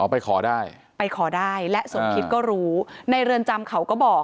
ไปขอได้ไปขอได้และสมคิดก็รู้ในเรือนจำเขาก็บอก